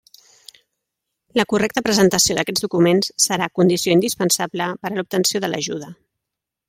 La correcta presentació d'aquests documents serà condició indispensable per a l'obtenció de l'ajuda.